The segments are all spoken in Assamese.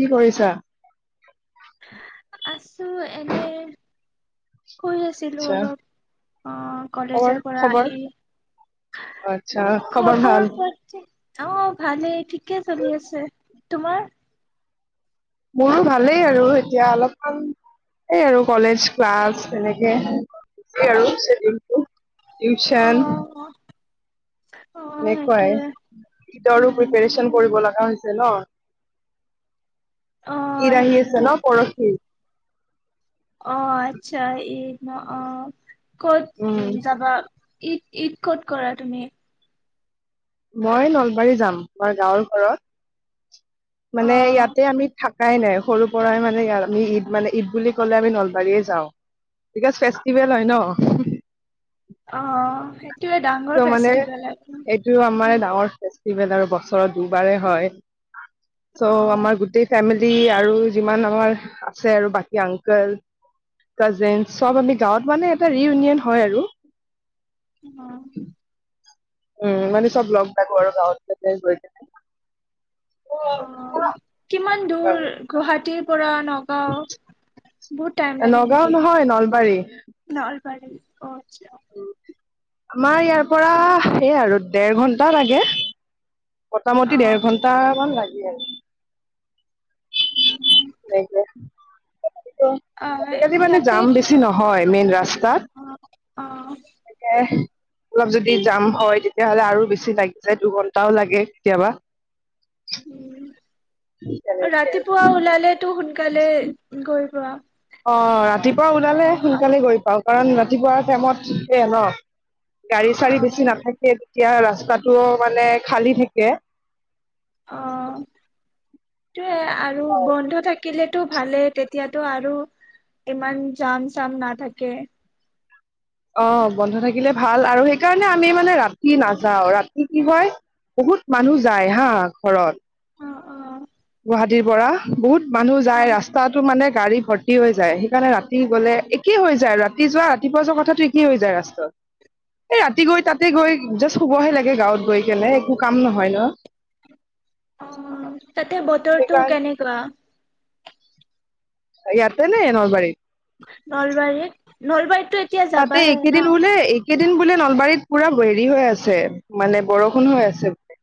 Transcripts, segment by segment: কি কৰিছা আছো এনে শুই আছিলো আচ্ছা অলপ আহ খবৰ কলেজৰ পৰা খবৰ আহি আচ্ছা ভাল। খবৰ প অ ভালেই ঠিকে চলি আছে তোমাৰ মোৰো ভালেই আৰু এতিয়া অলপমান এই আৰু কলেজ ক্লাছ এনেকে আৰু অ টিউচন অ এনেকুৱাই সেইটোৱে গীতৰো প্ৰিপৰেচন উম কৰিব লগা হৈছে ন অ ইদ আহি আছে সেইটোতো ন পৰশি অ আচ্ছা এই ন অ ক'ত উম উ যাবা ঈদ ঈদ ক'ত কৰা তুমি মই নলবাৰী যাম আমাৰ গাঁৱৰ ঘৰত অ মানে ইয়াতে আমি থাক কাই নাই সৰুৰ পৰাই মানে আমি ঈদ মানে ঈদ বুলি ক'লে আমি নলবাৰীয়ে যাওঁ বিকজ ফেষ্টিভেল হয় ন অ সেই ত' মানে এইটো আমাৰ ডাঙৰে আৰু বছৰৰ দুবাৰেেই হয় ত' অ আমাৰ গোটেই ফেমিলি আৰু যিমান আমাৰ আছে আৰু বাকী আংকল কাজিন চব আমি গাঁৱত মানে এটা ৰিউনিয়ন হয় আৰু উ উম মানে চব লগলাগো আৰু গাঁৱত গৈ অ কেনে। কিমান দূৰ গুৱাহাটীৰ পৰা নগাও বহুত টাইম লাগে নগাঁও নেকি নহয় নলবাৰী নলবাৰী অ আচ্ছা আমাৰ ইয়াৰ পৰা সেই আৰু দেৰ ঘন্টা লাগে। মোটামুটি অ', দেেৰ ঘন্ট মান লাগে উ সেইকে অ', আজিকালি মানে জাম ইয়াতেটো বেছি নহয় মেইন ৰাস্তাত অ', অ অলপ যদি জাম হয় তেতিয়াাহ'লে আৰু বেছি লাগি যায় দুঘন্টাও লাগে কেতিয়াবা উ তেনেকে ৰাতিপুৱা ওলালে টো সোনকালে গৈ পোৱা অ ৰাতিপুৱা ওলালে অ', আৰু সোনকালে গৈ পাও কাৰণ ৰা ৰাতিপুৱাৰ টাইমত ন গাড়ী চাড়ী বেছি অ', নাথাকে এতিয়া ৰাস্তাতটো মানে খালী থাকে অ সেইটোৱে আৰু বন্ধ থাকে থাকিলেতো ভালে তেতিয়াতো আৰু ইমান জাম চাম নাথাকে অ বন্ধ থাকিলে ভাল আৰু সেইকাৰণে আমি মানে ৰাতি নাযাও ৰাতি কি হয় বহুত মানুহ যায় হা ঘৰত অ', অ', গুৱাহাটীৰ পৰা বহুত মানুহ যায় অ', ৰাস্তাটো মানে গাড়ী ভৰ্তি হৈ যায় সেইকাৰণে ৰাতি গলে একেই হৈ যায় ৰাতি যোৱা ৰাতিপুৱা যোৱা কথা কি হৈ যায় ৰাস্তা এই তাতে গৈ জাষ্ট শুবহে লাগে গাঁৱত গৈ কেলে একো কাম নহয় ন অ তাতে বতৰটো সেইকাৰণ কেনেকুৱা ইয়াতেনে নলবাৰী নলবাৰীত এতিয়া তাতে যাবাহে ন একেদিন হলে একেদিন দিন বোলে নলবাৰীত পুৰা হেৰি হৈ আছে মানে বৰষুণ হৈ আছে বো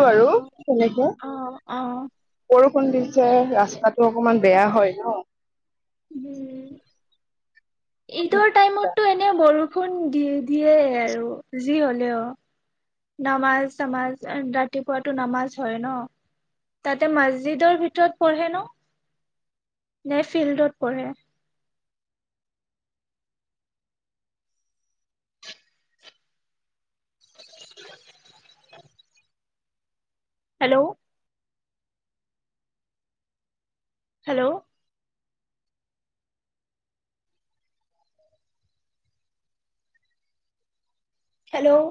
অ আৰু কেনেকে অ অ পৰু বৰষুণ দিছে ৰাস্তাটো অকমান বেয়া হয় ন উম ঈদৰ ঈদৰ টাইমতটো এনেই বৰো দে শুোন দি দিয়ে আৰু যি হলেও নামাজ চামাজ ৰাতিপুৱাতো নামাজ হয় ন তাতে মছজিদৰ ভিতৰত পঢ়ে ন নে ফিল্ডত পঢ়ে [unintelligible] হেল্ল' হেল্ল' হেল্ল'